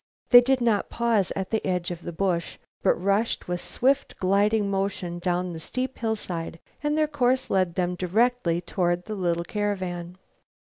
They did not pause at the edge of the bush, but rushed with swift, gliding motion down the steep hillside, and their course led them directly toward the little caravan.